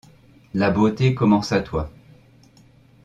La beauté commence à toi.